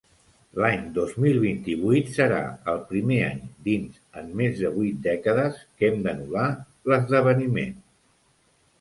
L'any dos mil vint-i-vuit serà el primer any dins en més de vuit dècades que hem d'anul·lar l'esdeveniment.